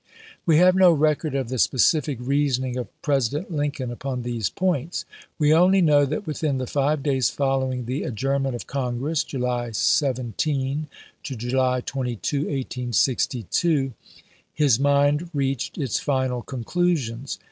We have no record of the specific reasoning of President Lincoln upon these points. We only know that within the five days following the ad journment of Congress (July 17 to July 22, 1862) his mind reached its final conclusions.